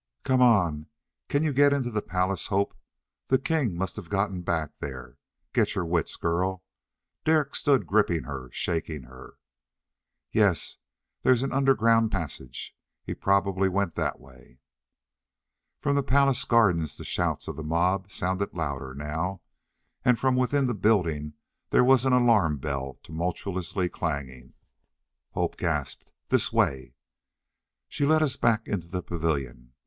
"Come on! Can you get into the palace, Hope? The king must have gotten back there. Get your wits, girl!" Derek stood gripping her, shaking her. "Yea, there's an underground passage. He probably went that way." From the palace gardens the shouts of the mob sounded louder now. And from within the building there was an alarm bell tumultuously clanging. Hope gasped, "This way." She led us back into the pavilion.